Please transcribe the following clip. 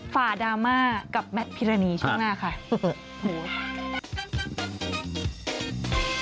ดราม่ากับแมทพิรณีช่วงหน้าค่ะ